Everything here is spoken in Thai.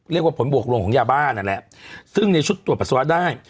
เรียกว่าผลบวกลงของยาบ้านั่นแหละซึ่งในชุดตรวจปัสสาวะได้